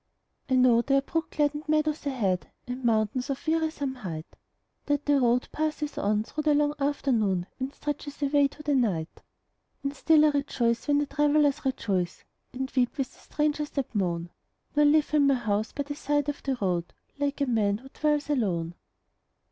I know there are brook gladdened meadows ahead, And mountains of wearisome height; That the road passes on through the long afternoon And stretches away to the night. And still I rejoice when the travelers rejoice And weep with the strangers that moan, Nor live in my house by the side of the road Like a man who dwells alone.